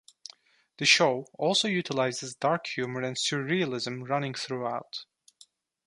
The show also utilises dark humor and surrealism running throughout.